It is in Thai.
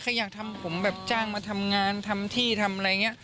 ใครอยากทำผมแบบจ้างมาทำงานทำที่ทำอะไรอย่างนี้